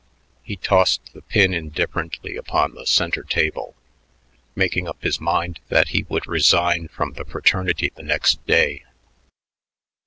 He tossed the pin indifferently upon the center table, making up his mind that he would resign from the fraternity the next day.